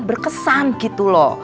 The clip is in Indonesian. berkesan gitu lho